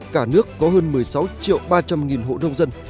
cả nước có hơn một mươi sáu triệu ba trăm linh nghìn hộ nông dân